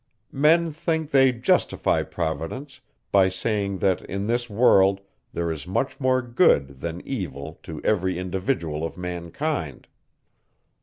Men think they justify Providence, by saying, that, in this world, there is much more good than evil to every individual of mankind.